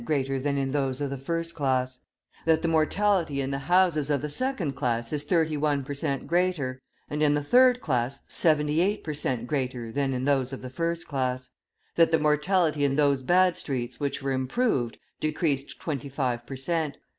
greater than in those of the first class; that the mortality in the houses of the second class is 31 per cent greater, and in the third class 78 per cent. greater than in those of the first class; that the mortality is those bad streets which were improved, decreased 25 per cent.